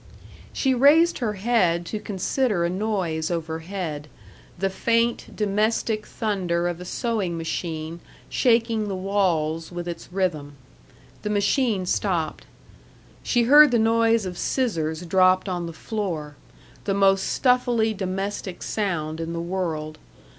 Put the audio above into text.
She raised her head to consider a noise overhead the faint, domestic thunder of a sewing machine shaking the walls with its rhythm. The machine stopped. She heard the noise of scissors dropped on the floor the most stuffily domestic sound in the world.